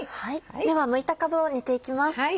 ではむいたかぶを煮ていきます。